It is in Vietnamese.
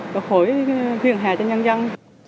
và hỏi phiền hà cho nhân dân